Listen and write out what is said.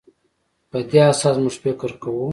په دې اساس موږ فکر کوو.